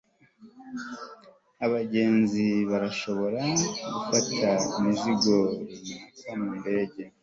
abagenzi barashobora gufata imizigo runaka mu ndege